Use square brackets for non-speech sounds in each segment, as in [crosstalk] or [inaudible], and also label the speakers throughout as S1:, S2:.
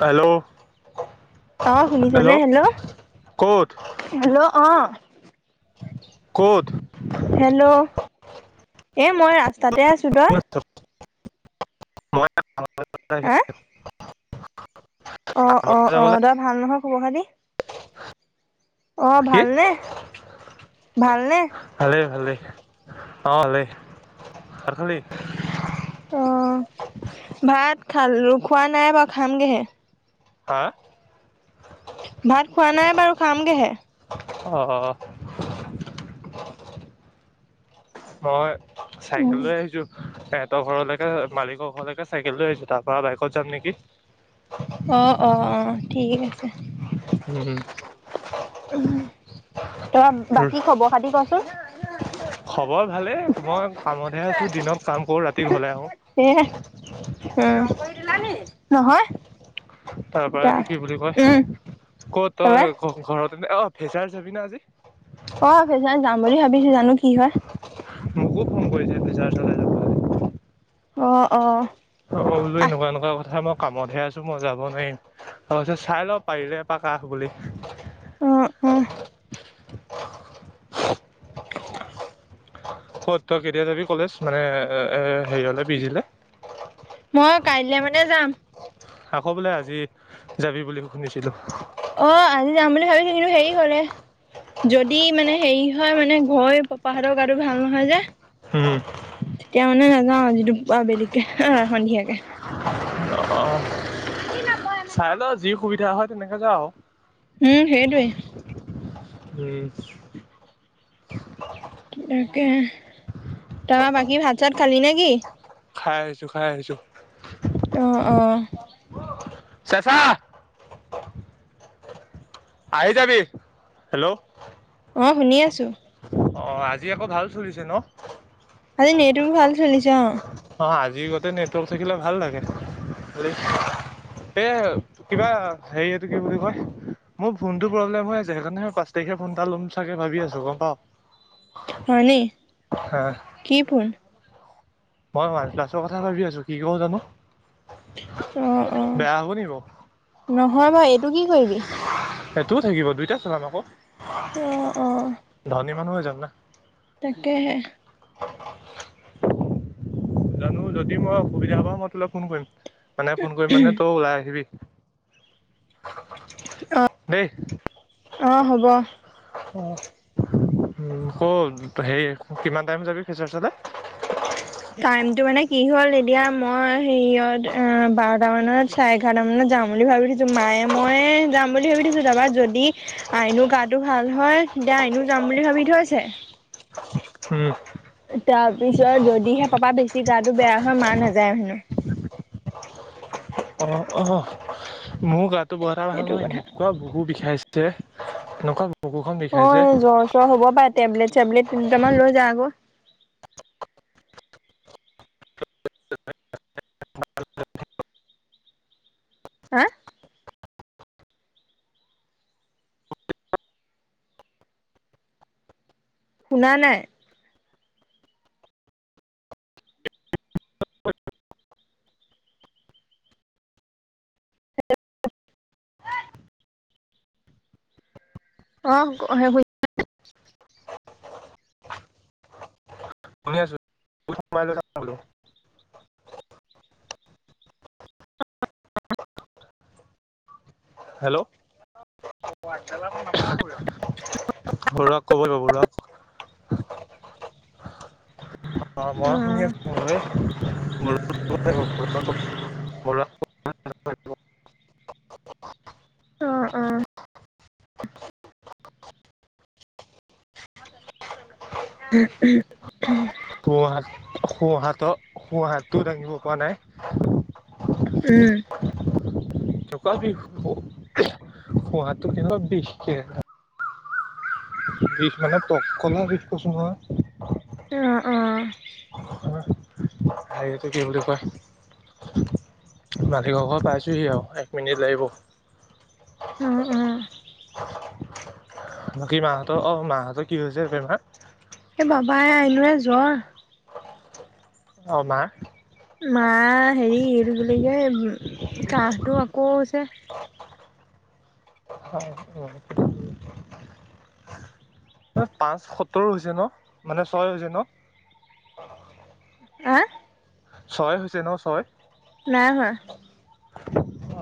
S1: Hello,
S2: অ' শুনিছনে hello,
S1: ক'ত
S2: হেল্ল' অ'
S1: ক'ত।
S2: হেল্ল' এ মই ৰাস্তাতে আছো তই। হা
S1: [unintelligible]
S2: অ' অ'
S1: যাব
S2: অ'
S1: লাগে।
S2: দই ভাল নহয় খবৰ খ দ।
S1: কি
S2: ভালনে
S1: ভালেই ভালেই। অলেই আৰু খালি।
S2: অ ভাত খাল খোৱা নাই বাৰু খামগেহে।
S1: হা।
S2: ভাত খোৱা নাই বাৰু খামগেহে।
S1: আহ। মই চাইকেল লৈ আহিছো। সিহঁতৰ ঘৰলৈকে মালিকৰ ঘৰলৈকে চাইকেল লৈ আহিছোঁ তাৰ পৰা বাইকত যাম নেকি।
S2: অঁ অঁ অঁ ঠিক আছে।
S1: উম উম।
S2: ত বাকী খবৰ খাতি কচোন।
S1: খবৰ ভালেই মই কামতহে আছো দিনত কাম কৰো ৰাতি ঘলে
S2: এ
S1: আহো।
S2: নহয়।
S1: তাৰ পৰা এইটো কি বুলি কয়
S2: উম
S1: কত
S2: তাৰপৰা
S1: তই ঘৰত। অ ভেচাৰ চাবি না আজি।
S2: অ ফেচাচ যাম বুলি ভাবিছো জানো কি হয়।
S1: মোকো ফোন কৰিছে ফেচাচৰ কাৰণে
S2: অ অ।
S1: হব বোলো
S2: আহ
S1: এনেকুৱা এনেকুৱা কথা মই কামতহে আছো মই যাব নোৱাৰিম। তাৰপিছত চাই লওঁ পাৰিলে এপাক অহ বুলি।
S2: অঁ আহঁ। [unintelligible]
S1: ক'ত তই কেতিয়া যাবি কলেজ মানে এ এ হেৰি অলে পিজিলে।
S2: মই কাইলৈ মানে যাম।
S1: আকৌ বোলে আজি যাবি বুলি। শুনিছিলো
S2: অ আজি যাম বুলি ভাবিছো কিন্তু হেৰি হলে। যদি মানে হেৰি হয় মানে ঘৈ পাপাহত গাটো ভাল নহয় যে।
S1: হোম।
S2: তেতিয়া মানে নাযাওঁ যিটো বেলেগকে সন্ধিয়াকে
S1: অ চাই লও যি সুবিধা হয় তেনেকে যা আৰু।
S2: উম সেইটোৱেই।
S1: উম।
S2: তাকেহে তা বাকী ভাত- চাত খালি নে কি?
S1: খাই আহিছো খাই আহিছো।
S2: অঁ অঁ
S1: চেচা আহি যাবি হেল্ল'।
S2: অ শুনি আছো
S1: অ আজি আকৌ ভাল চলিছে ন।
S2: আজি নেটো ভাল চলিছে অ।
S1: অ আজি গতে নেটৱৰ্ক থাকিলে ভাল লাগে খালি। এ কিবা হেৰিয়টো কি বুলি কয়। মোৰ ফোনটো প্ৰব্লেম হৈ আছে সেইকাৰণে মই পাঁচ তাৰিখে ফোন এটা ল'ম চাগে ভাবি আছো গম পাৱ।
S2: হয়নে কি ফোন।
S1: মই ওৱান প্লাছৰ কথা ভাবি আছো কি কওঁ জানো।
S2: অ অ
S1: বেয়া হ'ব নি বাৰু
S2: নহয় বাও এইটো কি কৰিবি
S1: সেইটোও থাকিব দুইটা চলাম আকৌ
S2: অ অ
S1: ধনী মানুহ হৈ যাম না।
S2: তাকেহে!
S1: জানো যদি মই অসুবিধা পাওঁ মই তোলে ফোন কৰিম, মানে ফোন কৰিম মানে তই ওলাই আহিবি।
S2: আহ
S1: দেই
S2: অ হ'ব।
S1: অ আকৌ হেৰি কিমান টাইম যাবি খেচাৰচালে? হয়। [inaudible]
S2: টাইমতটো মানে কি হ'ল এতিয়া মই হেৰিয়ত অ বাৰটা মানত চাৰে এঘাৰট মানত যাম। যাম বুলি ভাবি থিছো মায়ে মইে যাম বুলি ভাবি থৈছো তাৰপা যদি আইনো গাটো ভাল হয়। দাইনো যাম বুলি ভাবি থৈছে। তাৰ পিছত যদিহে পাপা বেছি গাটো বেয়া হয় মাৰ নাযায় হেনো।
S1: অ অ মোৰ গাটো ব এটা ভাল
S2: সেইটো
S1: নহয়
S2: কথা
S1: এনেকুৱা বহু বিষাইছে এনেকুৱা। বুকুখন
S2: অ
S1: বিষাইছে
S2: এ জ্বৰ চ্বৰ হ'ব পাৰে। টেবলেট চেবলেট দুতামান লৈ যায় আক হা শুনা নাই। হ [inaudible] অ সেই
S1: মল।
S2: অ।
S1: হেল্ল' বৰা ক'ব যৌ ৰক অ মই শুনি আছো। [unintelligible] [unintelligible]
S2: অ অ। হ উ উম।
S1: সোঁ-হাত সোঁ-হাতৰ সোঁ-হাতটোও দাঙিব পৰা নাই।
S2: উম।
S1: থুৱ বিষ হহাটো কেনেকুৱা বিষ। বিষ মানে তটকলা বিষ কছো নহয়।
S2: অ অ।
S1: হটো কি বুলি কয়। মালিঘৰ ঘৰ পাইছোঁহি আৰু এক মিনিট লাগিব।
S2: অ অ
S1: বাকী মাহঁতৰ অ মাহঁতৰ কি হৈছে বেমাৰ
S2: এই বাবাই আইনুৰ জ্বৰ
S1: অ মা।
S2: মা হেৰি এইটো কি কি কাহটো আকৌ হৈছে।
S1: হয়। পাঁচ সত্তৰ হৈছে ন মানে ছয় হৈছে ন
S2: আহ।
S1: ছয় হৈছে ন ছয়।
S2: নাই হোৱা।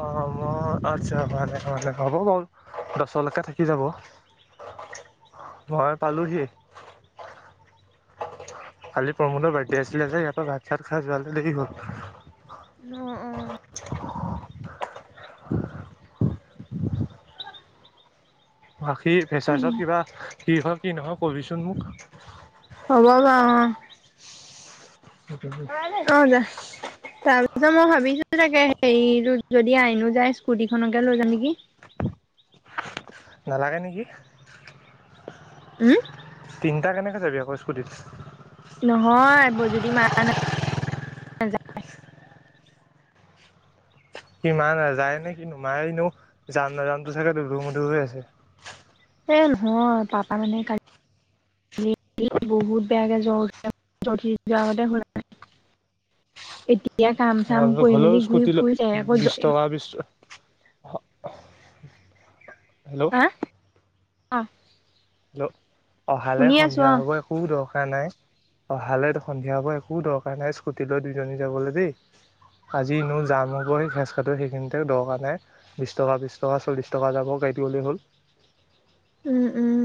S1: অ আচ্ছা ভালে ভে হব ক। দছলৈকে থাকি যাব মই পালোহি। কালি প্ৰমোদৰ বাৰ্থডে আছিলে যে ইয়াৰ পৰা ভাত খাত খাই যোৱাকালি দে হ'ল
S2: উম! উম!
S1: বাকী ফেচাৰছৰ কিবা কি হয়ল কি নহয় কবিচোন মোক।
S2: হ'ব বা। অ যা তাৰ পিছত মই ভাবিছোঁ তাকে হেৰি যদি আইনো যায় স্কুটিখনকে লৈ যাম নেকি।
S1: নালাগে নেকি।
S2: উম!
S1: তিনিটা কেনেকৈ যাবি আকৌ স্কুটিত।
S2: নহয় যদি মাৰ নযায়।
S1: কি মা নাযায় নে কিনো মায় এনো যাম নাজামতো চাগে দুধু-মধুৰ হৈ আছে।
S2: এই নহয় পাপা মানে কালি বহুত বেগে জ জতে হৈ। এতিয়া কাম চাম কৰি
S1: হ'লেও
S2: মেলি ঘূৰি
S1: স্কুটি লৈ
S2: ফুৰি তেৰকত
S1: বিছ
S2: জ্বলিম।
S1: টকা বিছ হেল্ল'।
S2: হা অ।
S1: হেল্ল, অহালে
S2: শুনি আছো
S1: সন্ধিয়া
S2: অ
S1: হ'ব একো দৰকাৰ নাই। অহালে সন্ধিয়া হব একো দৰকাৰ নাই স্কুটি লৈ দুইজনী যাবলৈ দেই। আজি এনেও জাম হবই ৰাস্তাটোৰ সেইখিনিতে। দৰকাৰ নাই, বিছ টকা, বিছ টকা, চল্লিশ টকা যাব গা গাড়ীত উঠি গলেই হ'ল।
S2: উম, উম।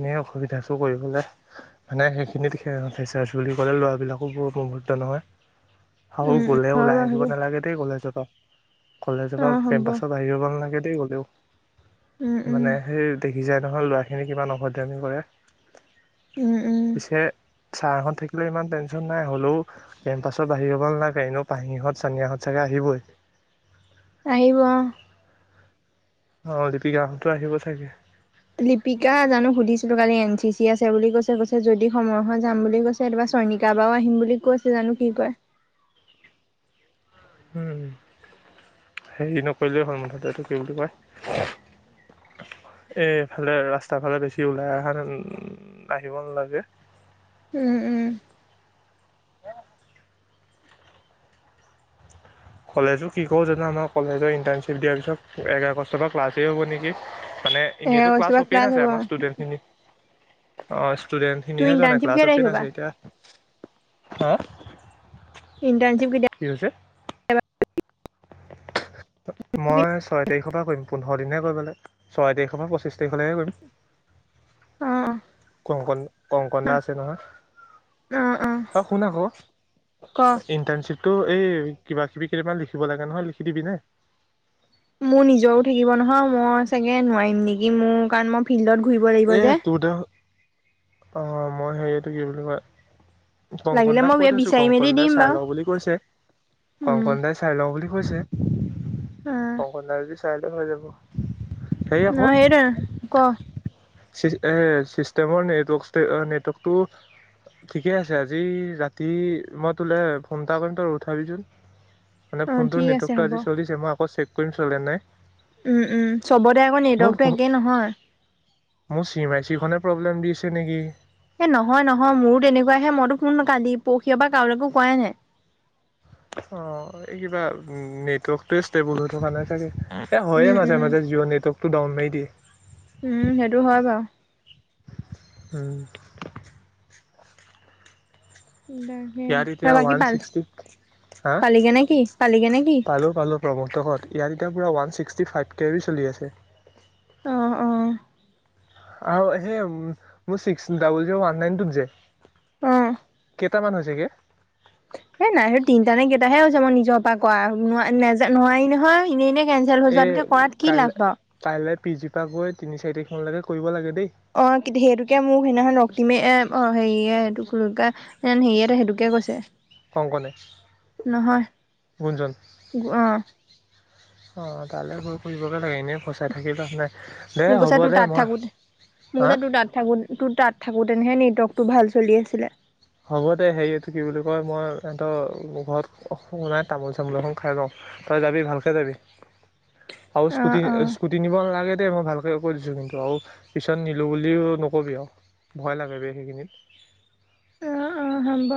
S1: এনে অসুবিধা চো কৰিবলে মানে সেইখিনিত ফেচাৰছ বুলি ক'লে ল'ৰাবিলাকো বহুত নহয় আৰু
S2: উম উম
S1: গ'লে
S2: হয়
S1: ওলাই
S2: বাৰু
S1: আহিব
S2: সেইটো
S1: নালাগে দেই কলেজৰ পা। কলেজৰ
S2: অ
S1: পৰা
S2: হ'ব
S1: কেম্পাছত আহি যাব নালাগে দেই গলেও।
S2: উম উম
S1: মানে সেই সি যায় নহয় ল'ৰাখিনি কিমান অভদ্ৰামি কৰে।
S2: উম উম
S1: পিছে চাৰহঁত থাকিলে ইমান টেনচন নাই। হলেওঁ কেম্পাছৰ বাহিৰ হব নালাগে। এনেও পাহিহঁত, চানিয়াহঁত চাগে আহিবই।
S2: আহিব অ
S1: অ দীপিকাহঁতো আহিব চাগে।
S2: লিপিকা জানো সুধিছিলো কালি এন চি চি আছে বুলি কৈছে। কৈছে যদি সময় হৈ যাম বুলি কৈছে। এই চইনিকা বাও আহিম বুলি কৈছে জানো কি কয়।
S1: উম। হেৰি নকৰিলেই হ'ল মুঠতে, এটো কি বুলি কয়? এফালে ৰাস্তা ফালে বেছি ওলাই আহা আহিব নালাগে।
S2: উম, উম।
S1: কলেজো কি কৰো জানো। আমাৰ কলেজৰ ইণ্টাৰ্ণশ্বিপ দিয়াৰ পিছত এক আগষ্টৰ পৰা ক্লাছেই হ'ব নেকি? মানে
S2: এঘাৰ
S1: এনেতো ক্লাছ
S2: আগষ্টৰ পৰা
S1: অপেইন আছে
S2: হ'ব
S1: আমাৰ ষ্টুডেন্ট খিনি। অ
S2: তোৰ
S1: ষ্টুডেণ্টখিনিহে যোৱা নাই।
S2: ইণ্টাৰ্ণশ্বিপ
S1: ক্লাছ
S2: কেই তাৰিখৰ
S1: অপেন
S2: পৰা
S1: আছে এতিয়া। হা?
S2: ইণ্টাৰন
S1: কি হৈছে? মই চয় তাৰিখৰ পৰা কৰিম। পোন্ধৰ দিনহে কৰিব লাগে। ছয় তাৰিখৰ পৰা পঁচিছ তাৰিখলৈহে কৰিম।
S2: উম।
S1: কংকন। কংকনা আছে নহয়,
S2: অ অ
S1: অ শুন আকৌ
S2: ক
S1: ইন্টানশ্বিপ তো এই কিবা কিবি কেইটামান লিখিব লাগে নহয়। লিখি দিবি নে?
S2: মোৰ নিজৰো থাকিব নহয়, মই চাগে নোৱাৰিম নেকি? মোৰ কাৰণ মই ফিল্ডত ঘূৰিব লাগিব
S1: এ
S2: যে
S1: তোৰতে, অ মই হেৰিটো কি বুলি কয়? কংকন
S2: লাগিলে
S1: দাক
S2: মই
S1: কৈ থৈছো,
S2: বিচাৰি মেলি
S1: কংকন দাই
S2: দিম
S1: চাই
S2: বাৰু
S1: লওঁ বুলি কৈছে,
S2: উম
S1: কংকন দাই চাই লওঁ বুলি কৈছে।
S2: অ
S1: কংকন দাই যদি চাই লয় হৈ যাব। হেৰি আকৌ
S2: নাই হেইটুৱে, ক'।
S1: এ চিষ্টেমৰ নেটৱৰ্ নেটৱৰ্কটো ঠিকে আছে। আজি ৰাতি মই তোলে ফোনটা কৰিম। তই উঠাবিচোন। মানে
S2: অ
S1: ফোনটোৰ
S2: ঠিক আছে
S1: নেটৱৰ্কতটো আজি
S2: হ'ব
S1: চলিছে। মই আকৌ চেক কৰিম চলে নাই।
S2: উম, উম। চবতে আকৌ
S1: মোৰ
S2: নেটৱৰ্কটো একেই নহয়।
S1: মোৰ চি এম আই চি খনে প্ৰব্লেম দিছে নেকি?
S2: এ নহয়, নহয়। মোৰো তেনেকুৱাহে। মইতো ফোন কালি পৰহি পৰা কালৈকো কৰাই নাই।
S1: অ এই কিবা নেটৱৰ্কটোৱে ষ্টেবল হৈ থকা নাই চাগে। এ হয়য়ে
S2: উম
S1: মাজে
S2: উম
S1: মাজে। জিঅ' নেটৱৰ্কতটো ডাউন মাৰি দিয়ে।
S2: উম, সেইটো হয় বাৰু।
S1: উম।
S2: তাকে
S1: ইয়াত
S2: তই
S1: এতিয়া
S2: বাকী
S1: ওৱান
S2: পাল
S1: ছিক্সটি, হা
S2: পালিগে নে কি পালিগে নে কি
S1: পালো, পালো। প্ৰভক্ত হত, ইয়াত এতিয়া পৰা ওৱান ছিক্সটি ফাইভ কেবি চলি আছে।
S2: অহ অহ
S1: আৰু সেই মোৰ চিক্স ডাবো জিৰও নাইন ত যে টামান হৈছেগে
S2: এ নাই আৰু তিনটা নে কেইটাহে হৈছে। মই নিজৰ পৰা কৰা ন ন নোৱাৰি নহয়। এনেই এনেই কেন্সেল হৈ যোৱাতকে কৰাত কি লাভ বা
S1: পিজিপা গৈ তিনি চাৰিখ মানলৈকে কৰিব লাগে। দেই
S2: অ' সেইটোকে মোক সেইদিনাখন ৰক্তিমে এ অ' হেৰিয়ে টোকুৰুগা হিয়েন সেইটোকে কৈছে।
S1: কংকনে
S2: নহয় অহ।
S1: অ' তালৈ গৈ ফুৰিবগে লাগে এনেই ফচাই থাকি লাভ নাই। দে
S2: মোক কৈছো
S1: হ'ব
S2: তোৰ
S1: দে
S2: তাত
S1: মই
S2: থাকোঁ‌তে মোৰ
S1: হা
S2: কৈছো তোৰ তাত থাকো তোৰ তাত। থাকোঁ‌। তেনেহে নেটৱৰ্ক টো ভাল চলি আছিলে।
S1: হ'ব দে। হেৰি এইটো কি বুলি কয় মই সিহঁত ঘৰত সোমাই তামোল চামোল এখন খাই লওঁ। তই যাবি ভালকে যাবি আৰু
S2: অ',
S1: স্কুটি,
S2: অ',
S1: স্কুটি নিব নালাগে। দেই মই ভালকে কৈ দিছোঁ কিন্তু আৰু পিছত নিলো বুলিও নকবি আৰু। ভয় লাগে। সেইখিনিত
S2: অ' অ' হ'ব।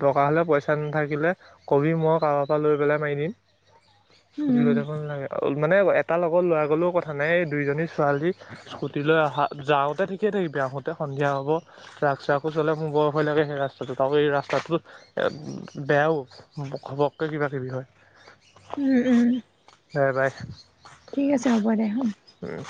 S1: দৰকাৰ হ'লে পইচা নাথাকিলে কবি, মই কাৰোবাৰ পৰা লৈ পেলাই মাৰি দিম। সুধিল
S2: উম,
S1: দে লাগে আউল। মানে এটা লগত ল'ৰা গ'লেও কথা নাই এই দুইজনী ছোৱালী স্কুটীলৈ অহা যাওঁতে ঠিকেই থাকিব। আহোঁ‌তে সন্ধিয়া হ'ব। ট্ৰাক চ্ৰাকো চলে মোৰ বৰ ভয় লাগে। সেই ৰাছ তাৰতাক এই ৰাস্তাটো বেয়াও ঘপককৈ কিবাকিবি হয়।
S2: উম উম।
S1: বাই
S2: ঠিক আছে হ'ব দে উম!
S1: উম